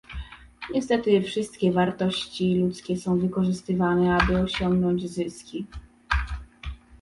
Niestety wszystkie wartości ludzkie są wykorzystywane, aby osiągnąć zyski